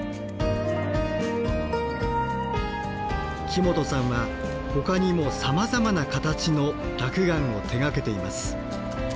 木本さんはほかにもさまざまな形の落雁を手がけています。